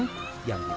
tidak ada batang